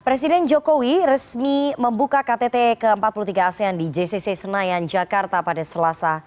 presiden jokowi resmi membuka ktt ke empat puluh tiga asean di jcc senayan jakarta pada selasa